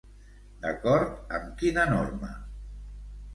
D'acord amb quina norma?